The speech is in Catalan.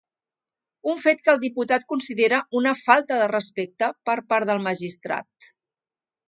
Un fet que el diputat considera una ‘falta de respecte’ per part del magistrat.